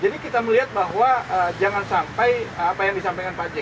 jadi kita melihat bahwa jangan sampai apa yang disampaikan pak jek